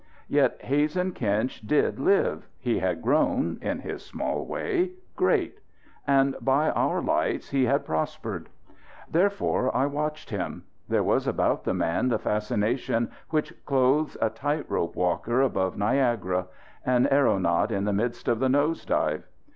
Yet Hazen Kinch did live; he had grown in his small way great; and by our lights he had prospered. Therefore I watched him. There was about the man the fascination which clothes a tight rope walker above Niagara; an aeronaut in the midst of the nose dive.